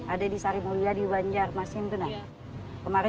ada di sarimulia di banjarmasin